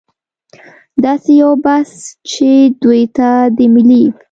داسې یو بحث چې دوی ته د ملي